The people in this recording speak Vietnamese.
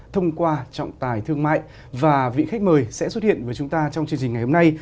thông qua trọng tài thương mại và vị khách mời sẽ xuất hiện với chúng ta trong chương trình ngày hôm nay